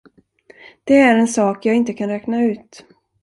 Det är en sak jag inte kan räkna ut.